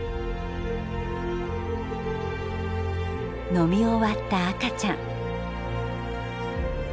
飲み終わった赤ちゃん。